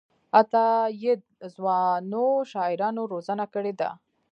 عطاييد ځوانو شاعرانو روزنه کړې ده.